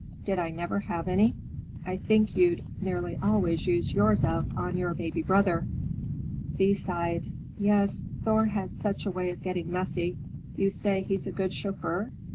Did I never have any?" "I think you'd nearly always used yours up on your baby brother." Thea sighed. "Yes, Thor had such a way of getting messy. You say he's a good chauffeur?"